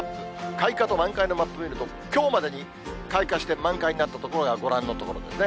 開花と満開のマップ見ると、きょうまでに開花して満開になった所が、ご覧の所ですね。